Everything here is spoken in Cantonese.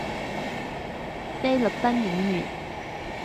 菲律賓演員